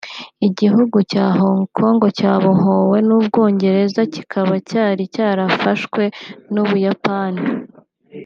Igihugu cya Hong Kong cyabohowe n’u Bwongereza kikaba cyari cyarafashwe n’u Buyapani